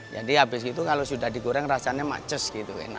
jadi habis itu kalau sudah di goreng rasanya macus gitu enak